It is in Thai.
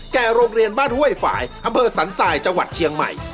โรงเรียนบ้านห้วยฝ่ายอำเภอสันทรายจังหวัดเชียงใหม่